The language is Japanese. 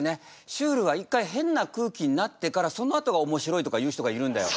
シュールは一回変な空気になってからそのあとがおもしろいとか言う人がいるんだよ。